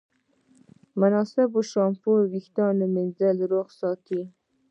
مناسب شامپو وېښتيان روغ ساتي.